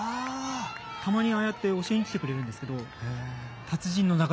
たまにああやって教えに来てくれるんですけど達人の中島さん